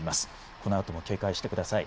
このあとも警戒してください。